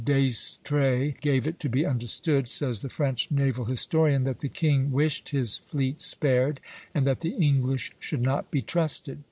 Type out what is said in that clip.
d'Estrées gave it to be understood," says the French naval historian, "that the king wished his fleet spared, and that the English should not be trusted.